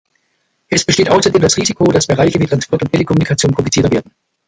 Es besteht außerdem das Risiko, dass Bereiche wie Transport und Telekommunikation komplizierter werden.